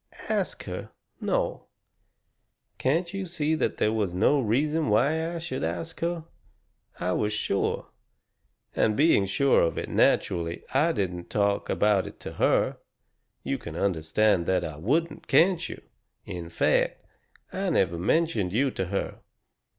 "Ask her? No. Can't you see that there was no reason why I should ask her? I was sure. And being sure of it, naturally I didn't talk about it to her. You can understand that I wouldn't, can't you? In fact, I never mentioned you to her.